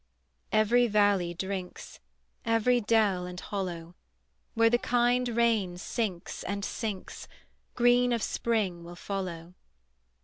Every valley drinks, Every dell and hollow: Where the kind rain sinks and sinks, Green of Spring will follow.